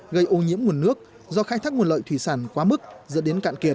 gây ô nhiễm nguồn nước do khai thác nguồn lợi thủy sản quá mức dẫn đến cạn kiệt